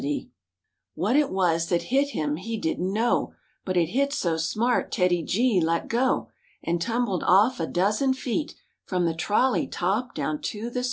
■ What it was that hit him he didn't know, But it hit so smart TEDDY G let go And tumbled off a dozen feet From the trolley top down to the street.